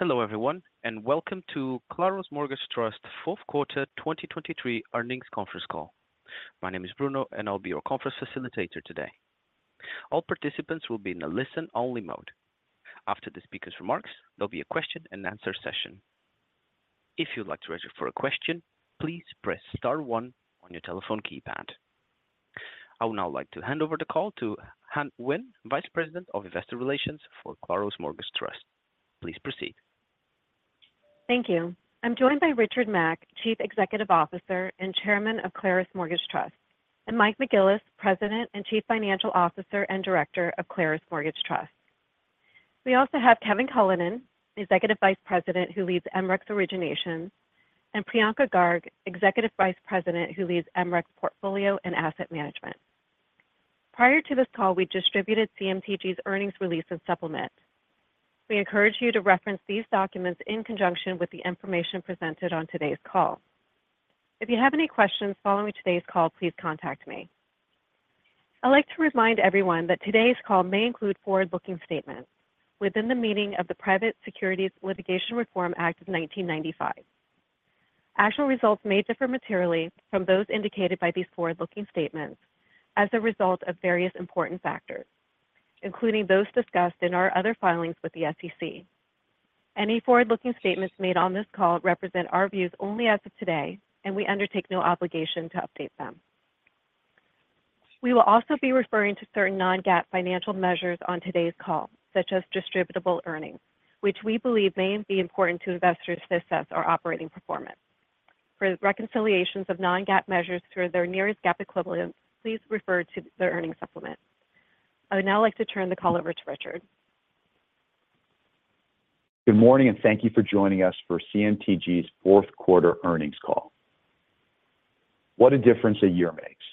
Hello everyone, and welcome to Claros Mortgage Trust 4th quarter 2023 earnings conference call. My name is Bruno, and I'll be your conference facilitator today. All participants will be in a listen-only mode. After the speaker's remarks, there'll be a question-and-answer session. If you'd like to register for a question, please press * 1 on your telephone keypad. I would now like to hand over the call to Anh Huynh, Vice President of Investor Relations for Claros Mortgage Trust. Please proceed. Thank you. I'm joined by Richard Mack, Chief Executive Officer and Chairman of Claros Mortgage Trust, and Mike McGillis, President and Chief Financial Officer and Director of Claros Mortgage Trust. We also have Kevin Cullinan, Executive Vice President who leads MRECS Origination, and Priyanka Garg, Executive Vice President who leads MRECS Portfolio and Asset Management. Prior to this call, we distributed CMTG's earnings release and supplement. We encourage you to reference these documents in conjunction with the information presented on today's call. If you have any questions following today's call, please contact me. I'd like to remind everyone that today's call may include forward-looking statements within the meaning of the Private Securities Litigation Reform Act of 1995. Actual results may differ materially from those indicated by these forward-looking statements as a result of various important factors, including those discussed in our other filings with the SEC. Any forward-looking statements made on this call represent our views only as of today, and we undertake no obligation to update them. We will also be referring to certain non-GAAP financial measures on today's call, such as distributable earnings, which we believe may be important to investors to assess our operating performance. For reconciliations of non-GAAP measures through their nearest GAAP equivalent, please refer to the earnings supplement. I would now like to turn the call over to Richard. Good morning, and thank you for joining us for CMTG's 4th quarter earnings call. What a difference a year makes,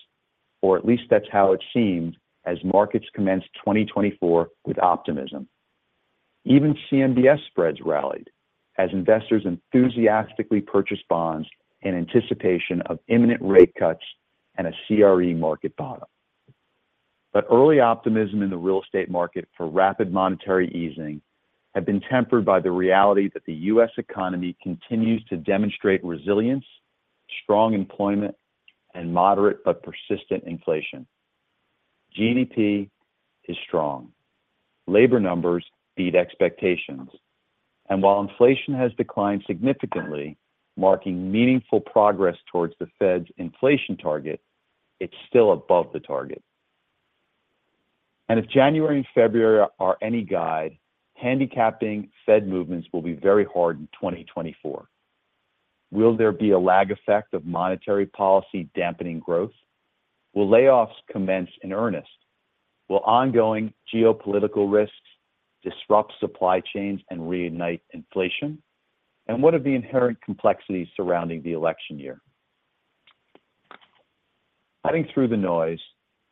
or at least that's how it seemed as markets commenced 2024 with optimism. Even CMBS spreads rallied as investors enthusiastically purchased bonds in anticipation of imminent rate cuts and a CRE market bottom. But early optimism in the real estate market for rapid monetary easing had been tempered by the reality that the U.S. economy continues to demonstrate resilience, strong employment, and moderate but persistent inflation. GDP is strong. Labor numbers beat expectations. And while inflation has declined significantly, marking meaningful progress towards the Fed's inflation target, it's still above the target. And if January and February are any guide, handicapping Fed movements will be very hard in 2024. Will there be a lag effect of monetary policy dampening growth? Will layoffs commence in earnest? Will ongoing geopolitical risks disrupt supply chains and reignite inflation? And what are the inherent complexities surrounding the election year? Heading through the noise,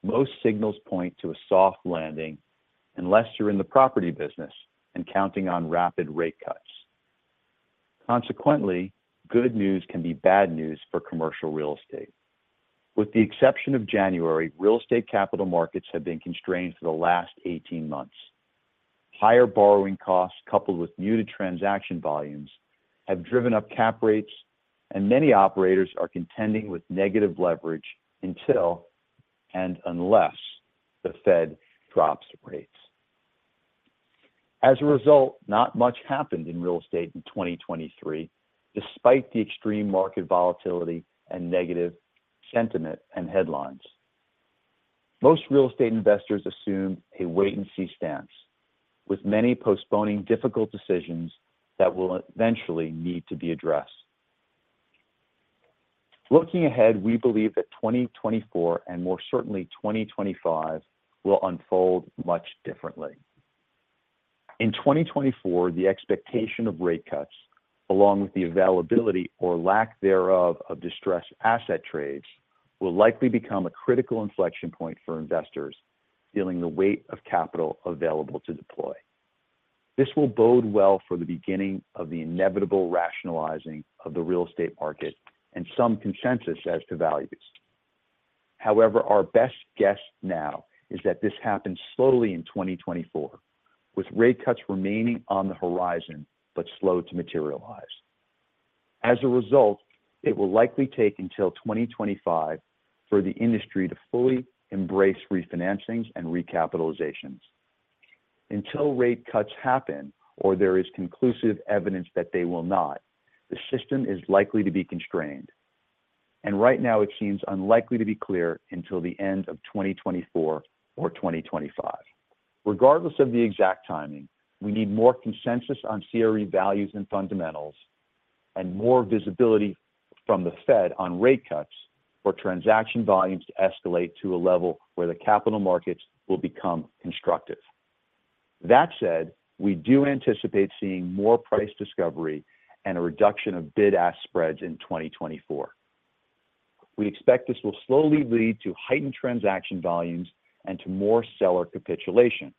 most signals point to a soft landing unless you're in the property business and counting on rapid rate cuts. Consequently, good news can be bad news for commercial real estate. With the exception of January, real estate capital markets have been constrained for the last 18 months. Higher borrowing costs coupled with muted transaction volumes have driven up cap rates, and many operators are contending with negative leverage until and unless the Fed drops rates. As a result, not much happened in real estate in 2023 despite the extreme market volatility and negative sentiment and headlines. Most real estate investors assumed a wait-and-see stance, with many postponing difficult decisions that will eventually need to be addressed. Looking ahead, we believe that 2024 and more certainly 2025 will unfold much differently. In 2024, the expectation of rate cuts, along with the availability or lack thereof of distressed asset trades, will likely become a critical inflection point for investors feeling the weight of capital available to deploy. This will bode well for the beginning of the inevitable rationalizing of the real estate market and some consensus as to values. However, our best guess now is that this happens slowly in 2024, with rate cuts remaining on the horizon but slow to materialize. As a result, it will likely take until 2025 for the industry to fully embrace refinancings and recapitalizations. Until rate cuts happen or there is conclusive evidence that they will not, the system is likely to be constrained. Right now, it seems unlikely to be clear until the end of 2024 or 2025. Regardless of the exact timing, we need more consensus on CRE values and fundamentals and more visibility from the Fed on rate cuts for transaction volumes to escalate to a level where the capital markets will become constructive. That said, we do anticipate seeing more price discovery and a reduction of bid-ask spreads in 2024. We expect this will slowly lead to heightened transaction volumes and to more seller capitulation,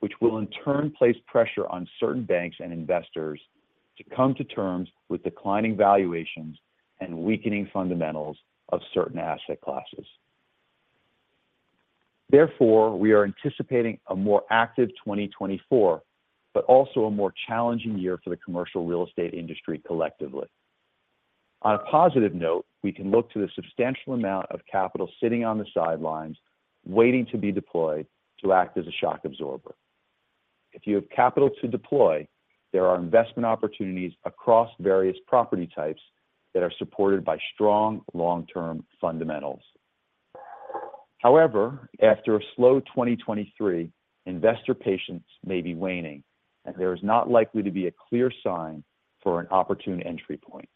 which will in turn place pressure on certain banks and investors to come to terms with declining valuations and weakening fundamentals of certain asset classes. Therefore, we are anticipating a more active 2024 but also a more challenging year for the commercial real estate industry collectively. On a positive note, we can look to the substantial amount of capital sitting on the sidelines waiting to be deployed to act as a shock absorber. If you have capital to deploy, there are investment opportunities across various property types that are supported by strong long-term fundamentals. However, after a slow 2023, investor patience may be waning, and there is not likely to be a clear sign for an opportune entry point.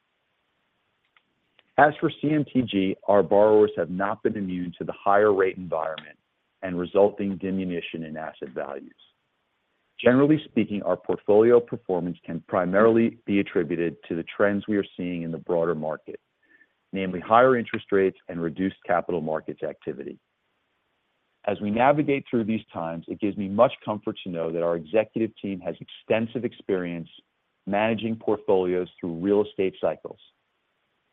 As for CMTG, our borrowers have not been immune to the higher-rate environment and resulting diminution in asset values. Generally speaking, our portfolio performance can primarily be attributed to the trends we are seeing in the broader market, namely higher interest rates and reduced capital markets activity. As we navigate through these times, it gives me much comfort to know that our executive team has extensive experience managing portfolios through real estate cycles,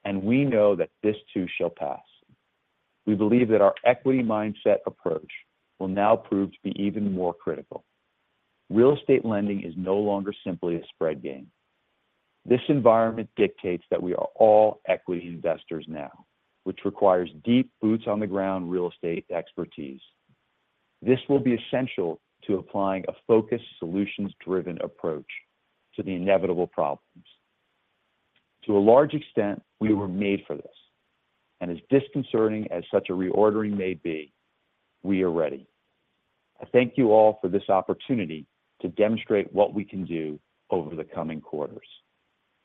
and we know that this too shall pass. We believe that our equity mindset approach will now prove to be even more critical. Real estate lending is no longer simply a spread game. This environment dictates that we are all equity investors now, which requires deep, boots-on-the-ground real estate expertise. This will be essential to applying a focused, solutions-driven approach to the inevitable problems. To a large extent, we were made for this. As disconcerting as such a reordering may be, we are ready. I thank you all for this opportunity to demonstrate what we can do over the coming quarters.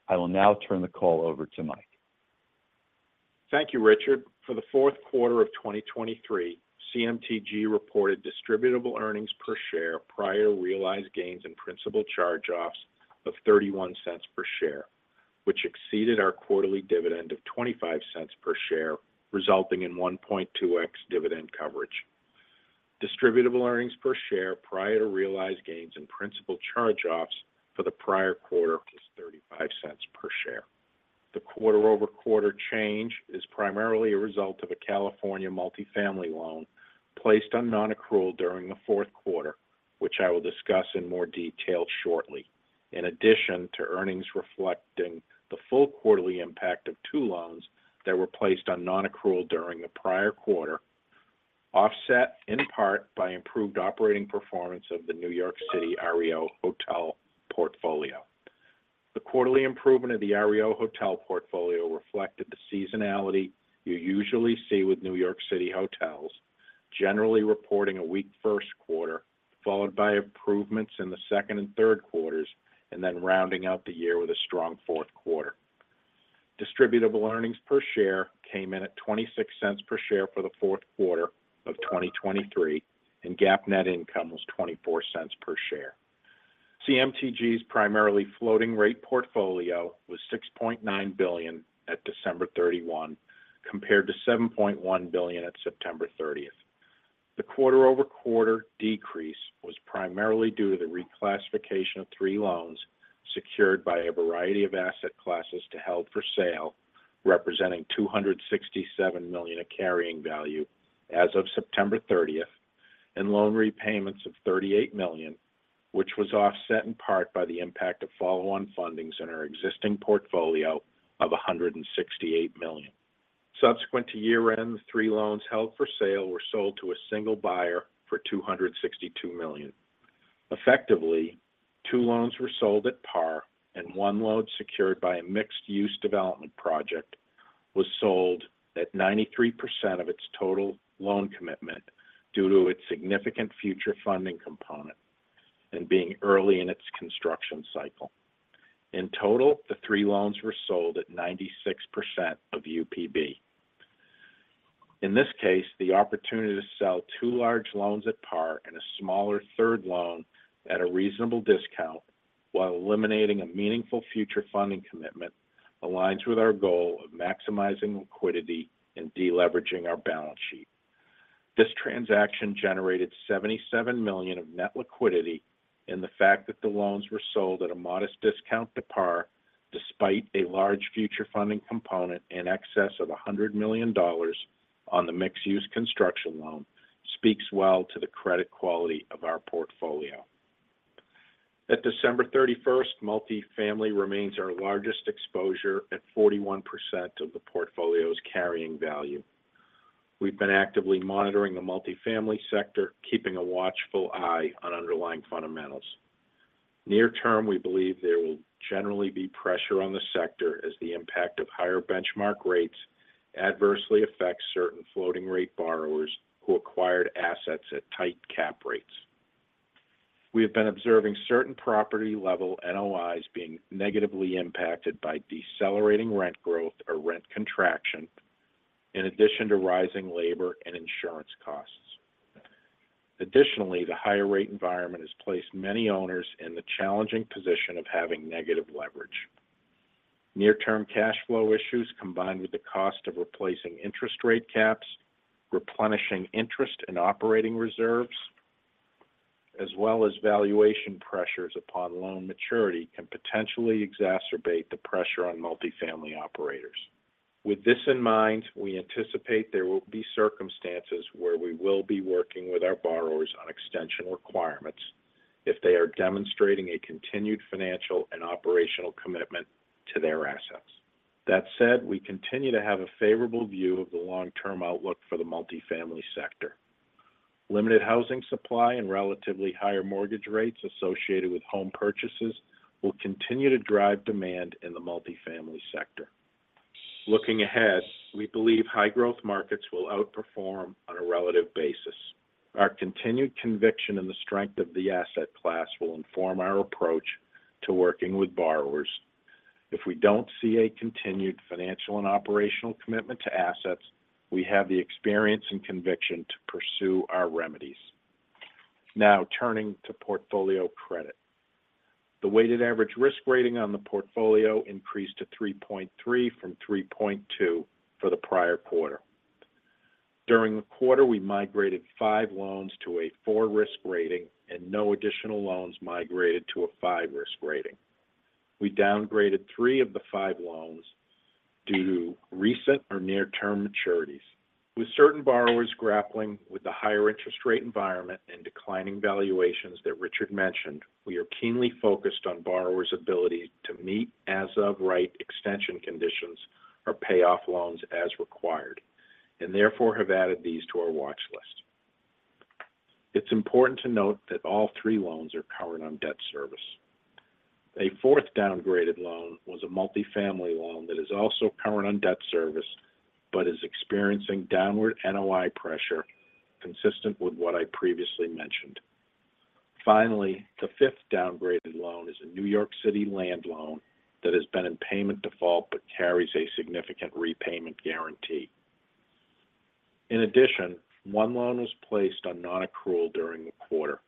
I will now turn the call over to Mike. Thank you, Richard. For the fourth quarter of 2023, CMTG reported distributable earnings per share prior to realized gains and principal charge-offs of $0.31 per share, which exceeded our quarterly dividend of $0.25 per share, resulting in 1.2x dividend coverage. Distributable earnings per share prior to realized gains and principal charge-offs for the prior quarter is $0.35 per share. The quarter-over-quarter change is primarily a result of a California multifamily loan placed on non-accrual during the fourth quarter, which I will discuss in more detail shortly. In addition to earnings reflecting the full quarterly impact of two loans that were placed on non-accrual during the prior quarter, offset in part by improved operating performance of the New York City REO hotel portfolio. The quarterly improvement of the REO hotel portfolio reflected the seasonality you usually see with New York City hotels, generally reporting a weak first quarter followed by improvements in the second and third quarters and then rounding out the year with a strong fourth quarter. Distributable earnings per share came in at $0.26 per share for the 4th quarter of 2023, and GAAP net income was $0.24 per share. CMTG's primarily floating-rate portfolio was $6.9 billion at December 31 compared to $7.1 billion at September 30. The quarter-over-quarter decrease was primarily due to the reclassification of three loans secured by a variety of asset classes to held for sale, representing $267 million of carrying value as of September 30, and loan repayments of $38 million, which was offset in part by the impact of follow-on fundings in our existing portfolio of $168 million. Subsequent to year-end, the three loans held for sale were sold to a single buyer for $262 million. Effectively, two loans were sold at par, and one loan secured by a mixed-use development project was sold at 93% of its total loan commitment due to its significant future funding component and being early in its construction cycle. In total, the three loans were sold at 96% of UPB. In this case, the opportunity to sell two large loans at par and a smaller third loan at a reasonable discount while eliminating a meaningful future funding commitment aligns with our goal of maximizing liquidity and deleveraging our balance sheet. This transaction generated $77 million of net liquidity, and the fact that the loans were sold at a modest discount to par despite a large future funding component and excess of $100 million on the mixed-use construction loan speaks well to the credit quality of our portfolio. At December 31, multifamily remains our largest exposure at 41% of the portfolio's carrying value. We've been actively monitoring the multifamily sector, keeping a watchful eye on underlying fundamentals. Near term, we believe there will generally be pressure on the sector as the impact of higher benchmark rates adversely affects certain floating-rate borrowers who acquired assets at tight cap rates. We have been observing certain property-level NOIs being negatively impacted by decelerating rent growth or rent contraction, in addition to rising labor and insurance costs. Additionally, the higher-rate environment has placed many owners in the challenging position of having negative leverage. Near-term cash flow issues, combined with the cost of replacing interest rate caps, replenishing interest and operating reserves, as well as valuation pressures upon loan maturity, can potentially exacerbate the pressure on multifamily operators. With this in mind, we anticipate there will be circumstances where we will be working with our borrowers on extension requirements if they are demonstrating a continued financial and operational commitment to their assets. That said, we continue to have a favorable view of the long-term outlook for the multifamily sector. Limited housing supply and relatively higher mortgage rates associated with home purchases will continue to drive demand in the multifamily sector. Looking ahead, we believe high-growth markets will outperform on a relative basis. Our continued conviction in the strength of the asset class will inform our approach to working with borrowers. If we don't see a continued financial and operational commitment to assets, we have the experience and conviction to pursue our remedies. Now, turning to portfolio credit. The weighted average risk rating on the portfolio increased to 3.3 from 3.2 for the prior quarter. During the quarter, we migrated 5 loans to a 4-risk rating, and no additional loans migrated to a 5-risk rating. We downgraded 3 of the 5 loans due to recent or near-term maturities. With certain borrowers grappling with the higher-interest rate environment and declining valuations that Richard mentioned, we are keenly focused on borrowers' ability to meet as-of-right extension conditions or pay off loans as required and therefore have added these to our watchlist. It's important to note that all 3 loans are current on debt service. A fourth downgraded loan was a multifamily loan that is also current on debt service but is experiencing downward NOI pressure consistent with what I previously mentioned. Finally, the fifth downgraded loan is a New York City land loan that has been in payment default but carries a significant repayment guarantee. In addition, one loan was placed on non-accrual during the quarter,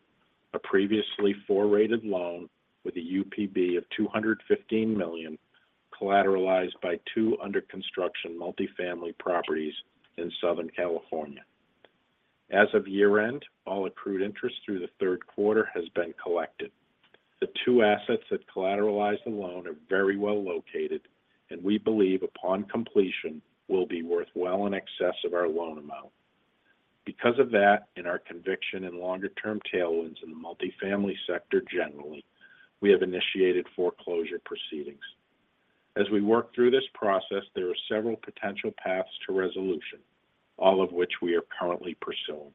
a previously 4-rated loan with a UPB of $215 million collateralized by two under-construction multifamily properties in Southern California. As of year-end, all accrued interest through the third quarter has been collected. The two assets that collateralized the loan are very well located, and we believe upon completion will be worth well in excess of our loan amount. Because of that, in our conviction in longer-term tailwinds in the multifamily sector generally, we have initiated foreclosure proceedings. As we work through this process, there are several potential paths to resolution, all of which we are currently pursuing.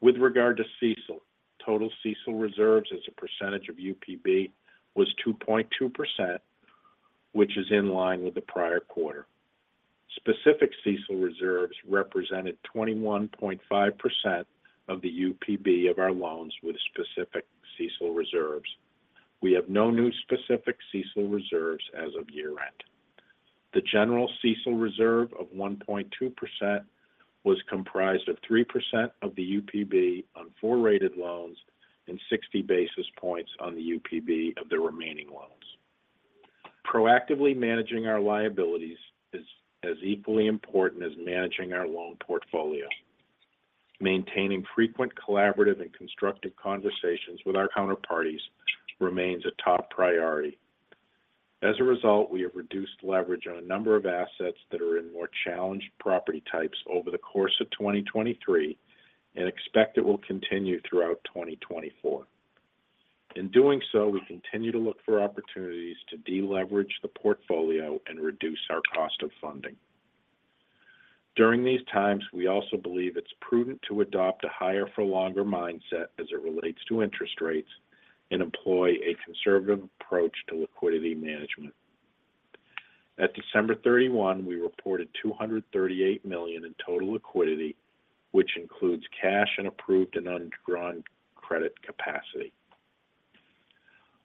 With regard to CECL, total CECL reserves as a percentage of UPB was 2.2%, which is in line with the prior quarter. Specific CECL reserves represented 21.5% of the UPB of our loans with specific CECL reserves. We have no new specific CECL reserves as of year-end. The general CECL reserve of 1.2% was comprised of 3% of the UPB on 4-rated loans and 60 basis points on the UPB of the remaining loans. Proactively managing our liabilities is as equally important as managing our loan portfolio. Maintaining frequent collaborative and constructive conversations with our counterparties remains a top priority. As a result, we have reduced leverage on a number of assets that are in more challenged property types over the course of 2023 and expect it will continue throughout 2024. In doing so, we continue to look for opportunities to deleverage the portfolio and reduce our cost of funding. During these times, we also believe it's prudent to adopt a higher-for-longer mindset as it relates to interest rates and employ a conservative approach to liquidity management. At December 31, we reported $238 million in total liquidity, which includes cash and approved and undrawn credit capacity.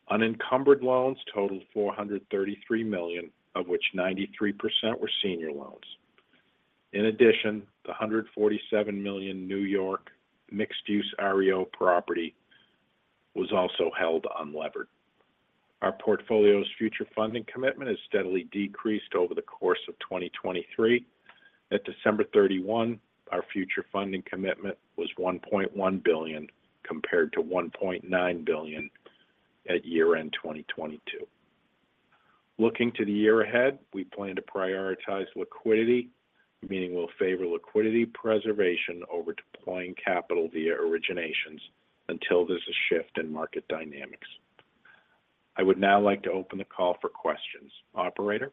Unencumbered loans totaled $433 million, of which 93% were senior loans. In addition, the $147 million New York mixed-use REO property was also held unlevered. Our portfolio's future funding commitment has steadily decreased over the course of 2023. At December 31, our future funding commitment was $1.1 billion compared to $1.9 billion at year-end 2022. Looking to the year ahead, we plan to prioritize liquidity, meaning we'll favor liquidity preservation over deploying capital via originations until there's a shift in market dynamics. I would now like to open the call for questions. Operator?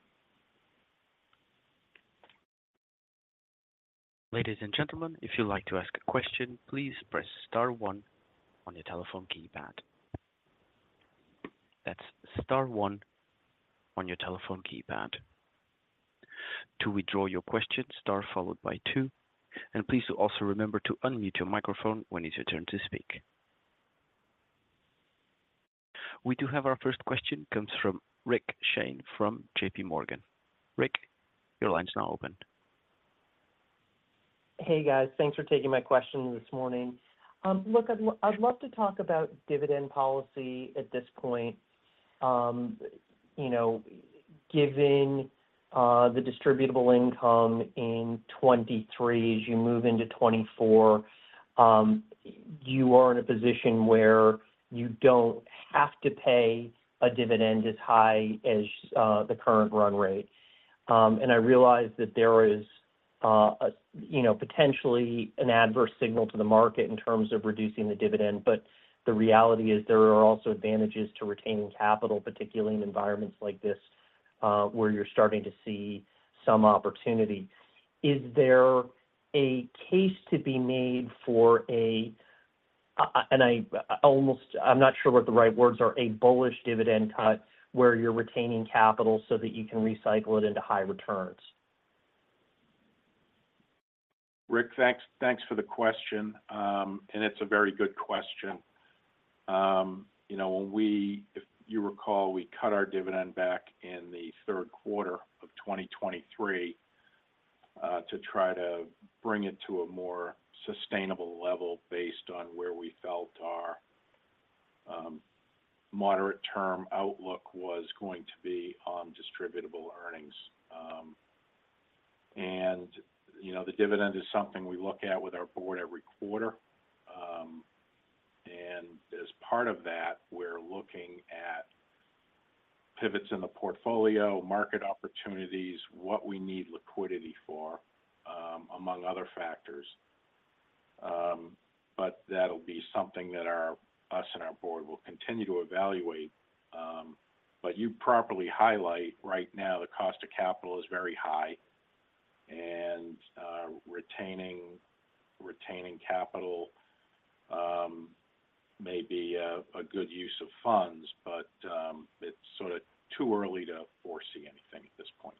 Ladies and gentlemen, if you'd like to ask a question, please press * 1 on your telephone keypad. That's * 1 on your telephone keypad. To withdraw your question, * followed by 2. Please also remember to unmute your microphone when it's your turn to speak. We do have our first question. It comes from Rick Shane from JP Morgan. Rick, your line's now open. Hey, guys. Thanks for taking my question this morning. Look, I'd love to talk about dividend policy at this point. Given the distributable income in 2023, as you move into 2024, you are in a position where you don't have to pay a dividend as high as the current run rate. I realize that there is potentially an adverse signal to the market in terms of reducing the dividend, but the reality is there are also advantages to retaining capital, particularly in environments like this where you're starting to see some opportunity. Is there a case to be made for a, and I'm not sure what the right words are, a bullish dividend cut where you're retaining capital so that you can recycle it into high returns? Rick, thanks for the question. It's a very good question. If you recall, we cut our dividend back in the third quarter of 2023 to try to bring it to a more sustainable level based on where we felt our moderate-term outlook was going to be on distributable earnings. The dividend is something we look at with our board every quarter. As part of that, we're looking at pivots in the portfolio, market opportunities, what we need liquidity for, among other factors. That'll be something that us and our board will continue to evaluate. You properly highlight right now, the cost of capital is very high. Retaining capital may be a good use of funds, but it's sort of too early to foresee anything at this point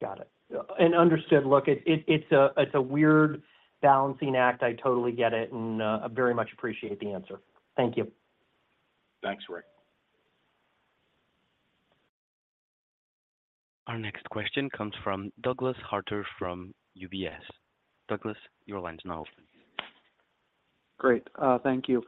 in time. Got it. And understood. Look, it's a weird balancing act. I totally get it and very much appreciate the answer. Thank you. Thanks, Rick. Our next question comes from Douglas Harter from UBS. Douglas, your line's now open. Great. Thank you.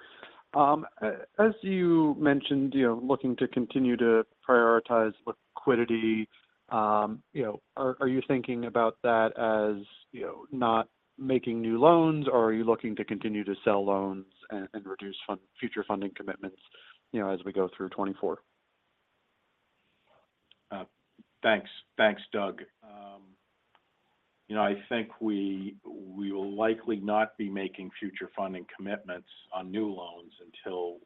As you mentioned, looking to continue to prioritize liquidity, are you thinking about that as not making new loans, or are you looking to continue to sell loans and reduce future funding commitments as we go through 2024? Thanks. Thanks, Doug. I think we will likely not be making future funding commitments on new loans until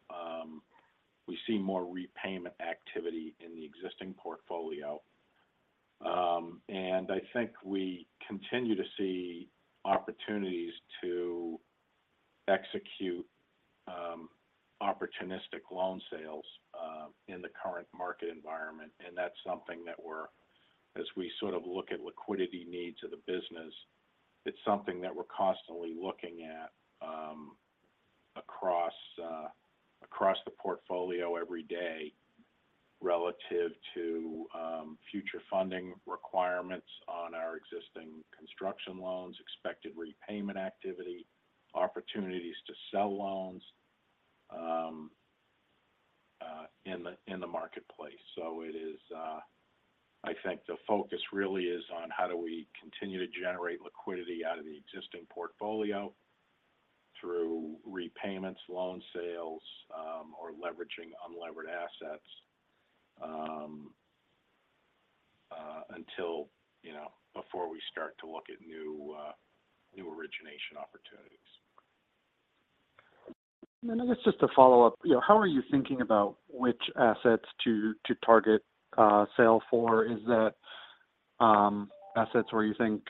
we see more repayment activity in the existing portfolio. I think we continue to see opportunities to execute opportunistic loan sales in the current market environment. That's something that we're, as we sort of look at liquidity needs of the business, it's something that we're constantly looking at across the portfolio every day relative to future funding requirements on our existing construction loans, expected repayment activity, opportunities to sell loans in the marketplace. I think the focus really is on how do we continue to generate liquidity out of the existing portfolio through repayments, loan sales, or leveraging unlevered assets before we start to look at new origination opportunities. And then I guess just to follow up, how are you thinking about which assets to target sale for? Is that assets where you think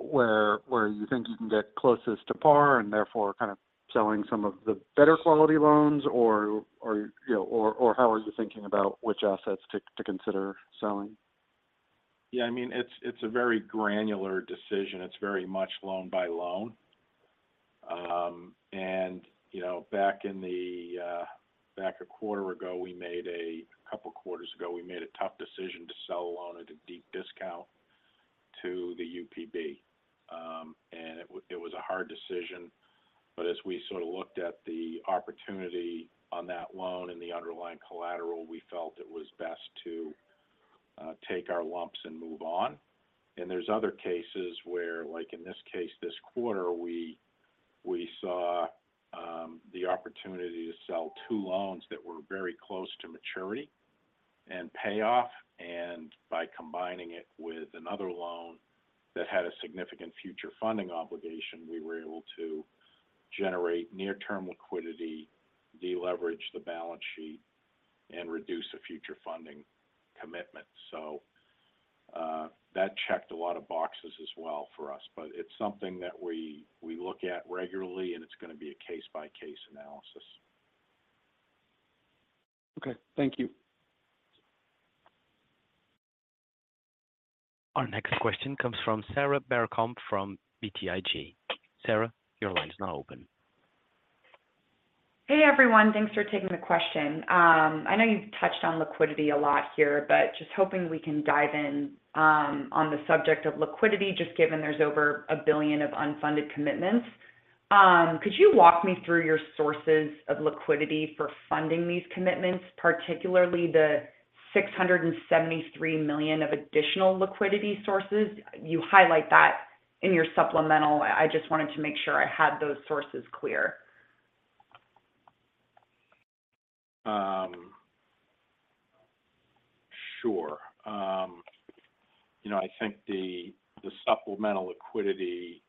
where you think you can get closest to par and therefore kind of selling some of the better quality loans? Or how are you thinking about which assets to consider selling? Yeah. I mean, it's a very granular decision. It's very much loan by loan. And a couple of quarters ago, we made a tough decision to sell a loan at a deep discount to the UPB. And it was a hard decision. But as we sort of looked at the opportunity on that loan and the underlying collateral, we felt it was best to take our lumps and move on. And there's other cases where, like in this case, this quarter, we saw the opportunity to sell two loans that were very close to maturity and pay off. And by combining it with another loan that had a significant future funding obligation, we were able to generate near-term liquidity, deleverage the balance sheet, and reduce a future funding commitment. So that checked a lot of boxes as well for us. But it's something that we look at regularly, and it's going to be a case-by-case analysis. Okay. Thank you. Our next question comes from Sarah Barcomb from BTIG. Sarah, your line's now open. Hey, everyone. Thanks for taking the question. I know you've touched on liquidity a lot here, but just hoping we can dive in on the subject of liquidity, just given there's over $1 billion of unfunded commitments. Could you walk me through your sources of liquidity for funding these commitments, particularly the $673 million of additional liquidity sources? You highlight that in your supplemental. I just wanted to make sure I had those sources clear. Sure. I think the supplemental liquidity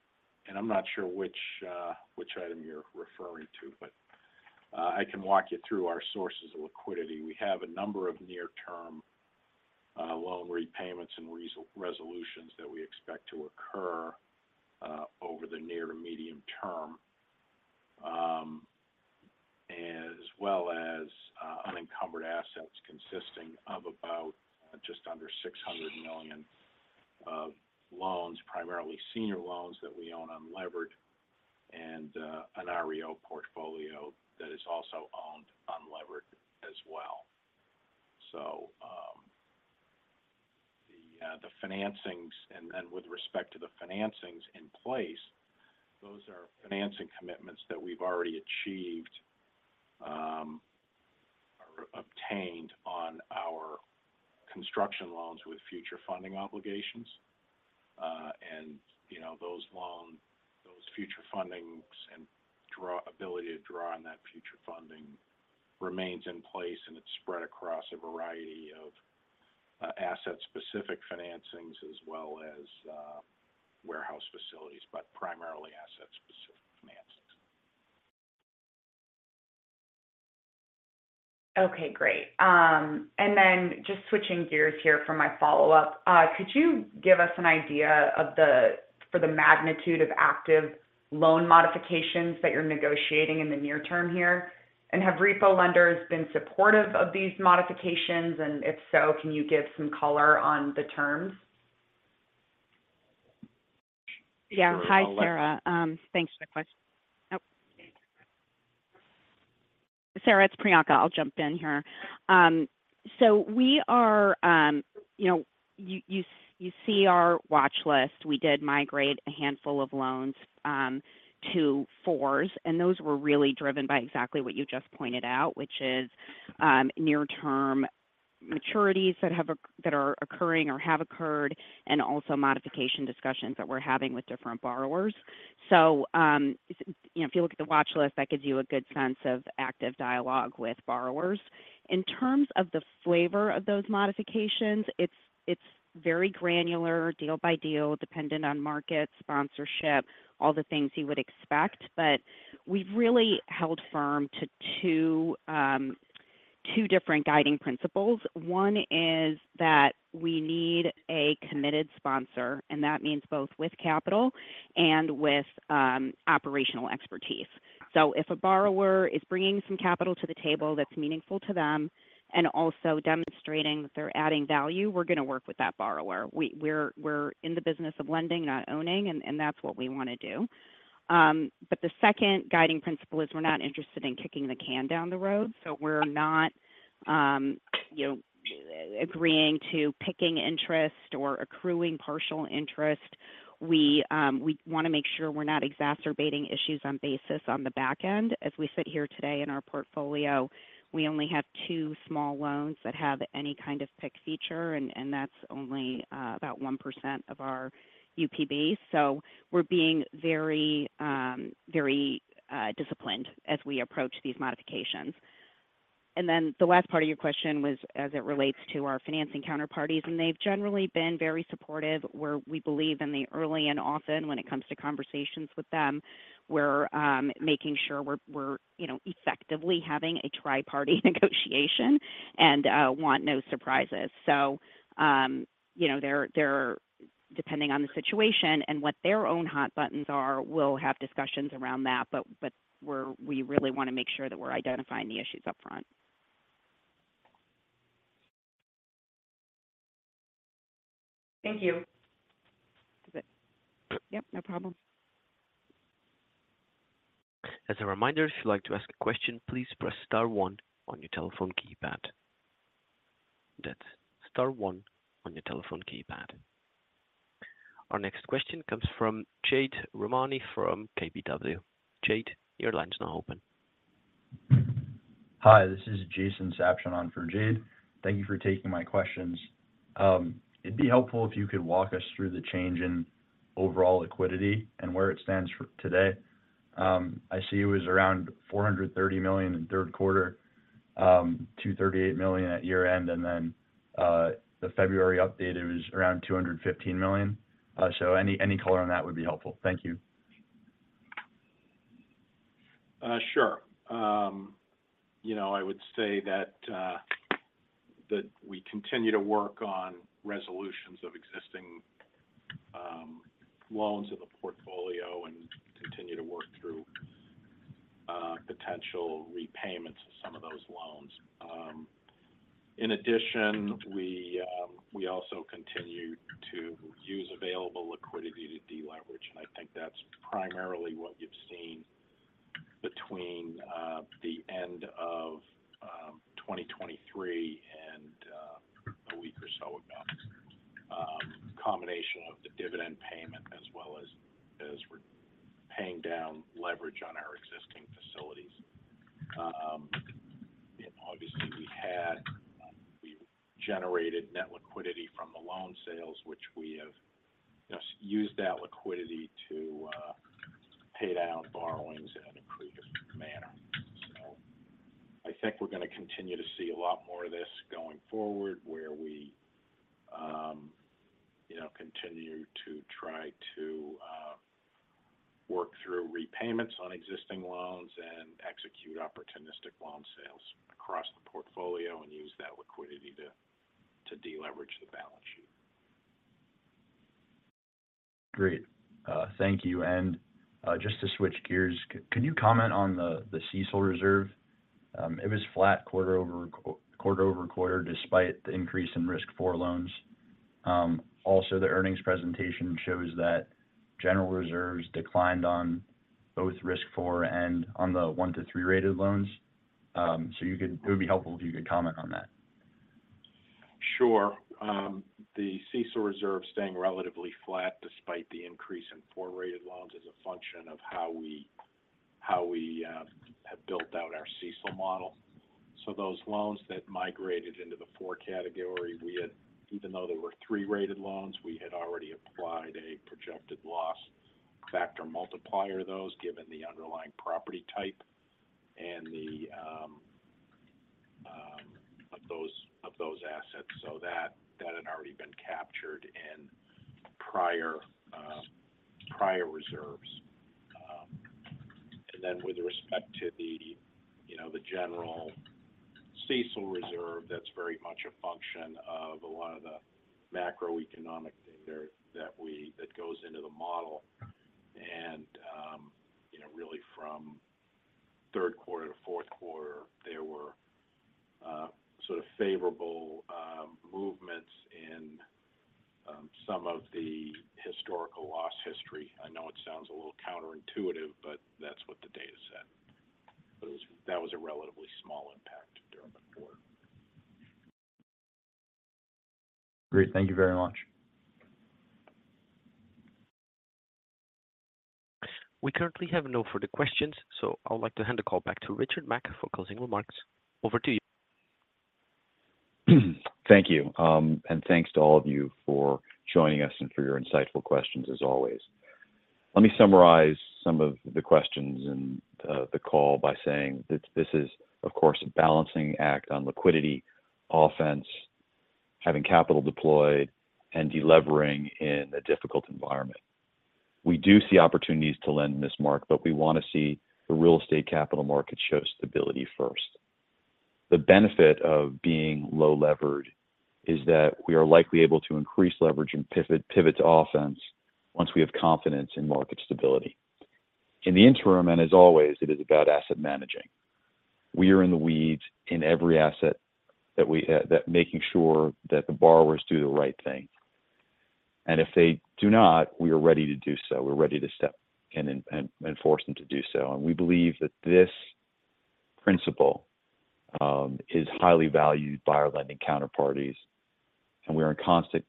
and I'm not sure which item you're referring to, but I can walk you through our sources of liquidity. We have a number of near-term loan repayments and resolutions that we expect to occur over the near to medium term, as well as unencumbered assets consisting of about just under $600 million of loans, primarily senior loans that we own unlevered and an REO portfolio that is also owned unlevered as well. So the financings and then with respect to the financings in place, those are financing commitments that we've already achieved are obtained on our construction loans with future funding obligations. And those future fundings and ability to draw on that future funding remains in place, and it's spread across a variety of asset-specific financings as well as warehouse facilities, but primarily asset-specific financings. Okay. Great. Then just switching gears here for my follow-up, could you give us an idea for the magnitude of active loan modifications that you're negotiating in the near term here? And have repo lenders been supportive of these modifications? And if so, can you give some color on the terms? Yeah. Hi, Sarah. Thanks for the question. Oh. Sarah, it's Priyanka. I'll jump in here. So, as you see, our watchlist. We did migrate a handful of loans to fours. And those were really driven by exactly what you just pointed out, which is near-term maturities that are occurring or have occurred and also modification discussions that we're having with different borrowers. So if you look at the watchlist, that gives you a good sense of active dialogue with borrowers. In terms of the flavor of those modifications, it's very granular, deal by deal, dependent on market, sponsorship, all the things you would expect. But we've really held firm to two different guiding principles. One is that we need a committed sponsor. And that means both with capital and with operational expertise. So if a borrower is bringing some capital to the table that's meaningful to them and also demonstrating that they're adding value, we're going to work with that borrower. We're in the business of lending, not owning, and that's what we want to do. But the second guiding principle is we're not interested in kicking the can down the road. So we're not agreeing to PIK interest or accruing partial interest. We want to make sure we're not exacerbating issues on basis on the back end. As we sit here today in our portfolio, we only have 2 small loans that have any kind of PIK feature, and that's only about 1% of our UPB. So we're being very, very disciplined as we approach these modifications. And then the last part of your question was as it relates to our financing counterparties. And they've generally been very supportive. We believe in the early and often when it comes to conversations with them, we're making sure we're effectively having a tri-party negotiation and want no surprises. So depending on the situation and what their own hot buttons are, we'll have discussions around that. But we really want to make sure that we're identifying the issues upfront. Thank you. Yep. No problem. As a reminder, if you'd like to ask a question, please press star 1 on your telephone keypad. That's star 1 on your telephone keypad. Our next question comes from Jade Rahmani from KBW. Jade, your line's now open. Hi. This is Jason Sabshon for Jade. Thank you for taking my questions. It'd be helpful if you could walk us through the change in overall liquidity and where it stands today. I see it was around $430 million in third quarter, $238 million at year-end, and then the February update, it was around $215 million. So any color on that would be helpful. Thank you. Sure. I would say that we continue to work on resolutions of existing loans in the portfolio and continue to work through potential repayments of some of those loans. In addition, we also continue to use available liquidity to deleverage. I think that's primarily what you've seen between the end of 2023 and a week or so ago, a combination of the dividend payment as well as paying down leverage on our existing facilities. Obviously, we generated net liquidity from the loan sales, which we have used that liquidity to pay down borrowings in an accretive manner. I think we're going to continue to see a lot more of this going forward where we continue to try to work through repayments on existing loans and execute opportunistic loan sales across the portfolio and use that liquidity to deleverage the balance sheet. Great. Thank you. And just to switch gears, could you comment on the CECL reserve? It was flat quarter-over-quarter despite the increase in risk 4 loans. Also, the earnings presentation shows that general reserves declined on both risk 4 and on the 1-3 rated loans. So it would be helpful if you could comment on that. Sure. The CECL reserve staying relatively flat despite the increase in four rated loans is a function of how we have built out our CECL model. So those loans that migrated into the four category, even though there were three rated loans, we had already applied a projected loss factor multiplier to those given the underlying property type and of those assets. So that had already been captured in prior reserves. And then with respect to the general CECL reserve, that's very much a function of a lot of the macroeconomic data that goes into the model. And really, from third quarter to fourth quarter, there were sort of favorable movements in some of the historical loss history. I know it sounds a little counterintuitive, but that's what the data said. But that was a relatively small impact during the quarter. Great. Thank you very much. We currently have no further questions. So I would like to hand the call back to Richard Mack for closing remarks. Over to you. Thank you. Thanks to all of you for joining us and for your insightful questions as always. Let me summarize some of the questions in the call by saying that this is, of course, a balancing act on liquidity, offense, having capital deployed, and delevering in a difficult environment. We do see opportunities to lend, in this market, but we want to see the real estate capital market show stability first. The benefit of being low-levered is that we are likely able to increase leverage and pivot to offense once we have confidence in market stability. In the interim, and as always, it is about asset managing. We are in the weeds in every asset, making sure that the borrowers do the right thing. If they do not, we are ready to do so. We're ready to step in and force them to do so. We believe that this principle is highly valued by our lending counterparties, and we are in constant,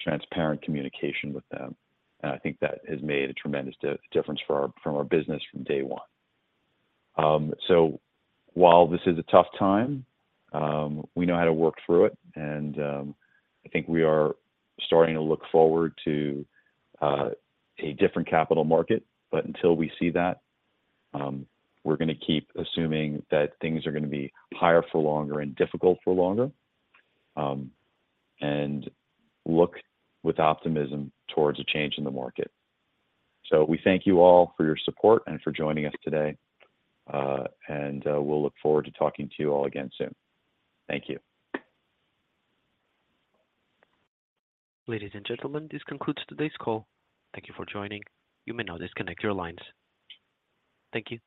transparent communication with them. I think that has made a tremendous difference from our business from day one. So while this is a tough time, we know how to work through it. I think we are starting to look forward to a different capital market. But until we see that, we're going to keep assuming that things are going to be higher for longer and difficult for longer and look with optimism towards a change in the market. We thank you all for your support and for joining us today. We'll look forward to talking to you all again soon. Thank you. Ladies and gentlemen, this concludes today's call. Thank you for joining. You may now disconnect your lines. Thank you.